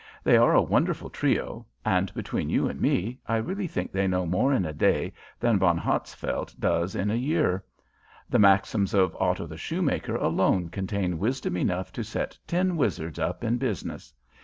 They are a wonderful trio, and between you and me, I really think they know more in a day than Von Hatzfeldt does in a year. The maxims of Otto the Shoemaker alone contain wisdom enough to set ten wizards up in business.